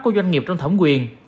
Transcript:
của doanh nghiệp trong thổng quyền